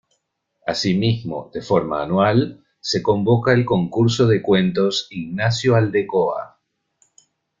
Asimismo, de forma anual, se convoca el Concurso de cuentos "Ignacio Aldecoa".